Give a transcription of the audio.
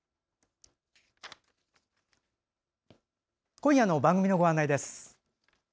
今夜の番組のご案内です。